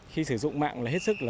khi sử dụng mạng là hết sức